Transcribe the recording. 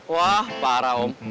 wah parah om